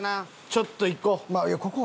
ちょっと行こう。